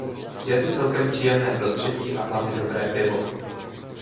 Je tu celkem příjemné prostředí a hlavně dobré pivo.